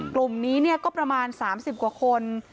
กลุ่มนี้ก็ประมาณ๓๐กว่าคน